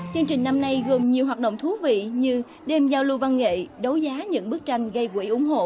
chương trình năm nay gồm nhiều hoạt động thú vị như đêm giao lưu văn nghệ đấu giá những bức tranh gây quỹ ủng hộ